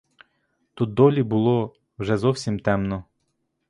Тут долі було вже зовсім темно.